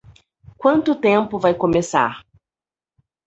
Quanto tempo vai começar?